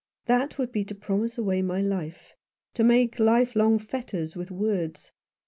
That would be to promise away my life — to make lifelong fetters with words.